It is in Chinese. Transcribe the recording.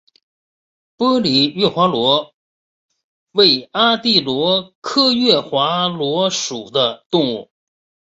玻璃月华螺为阿地螺科月华螺属的动物。